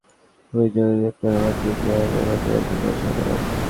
আরেক মামলায় জঙ্গি অর্থায়নের অভিযোগে গ্রেপ্তার হওয়া তিন আইনজীবীর রিমান্ড মঞ্জুর করেছেন আদালত।